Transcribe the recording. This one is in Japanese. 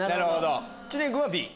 知念君はＢ？